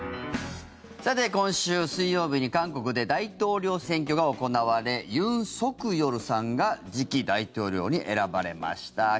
さて、今週水曜日に韓国で大統領選挙が行われユン・ソクヨルさんが次期大統領に選ばれました。